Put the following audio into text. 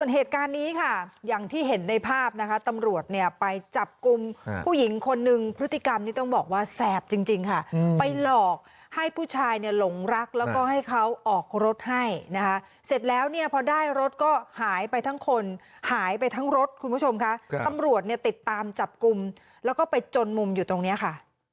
เหตุการณ์นี้ค่ะอย่างที่เห็นในภาพนะคะตำรวจเนี่ยไปจับกลุ่มผู้หญิงคนนึงพฤติกรรมนี้ต้องบอกว่าแสบจริงค่ะไปหลอกให้ผู้ชายเนี่ยหลงรักแล้วก็ให้เขาออกรถให้นะคะเสร็จแล้วเนี่ยพอได้รถก็หายไปทั้งคนหายไปทั้งรถคุณผู้ชมค่ะตำรวจเนี่ยติดตามจับกลุ่มแล้วก็ไปจนมุมอยู่ตรงนี้ค่ะ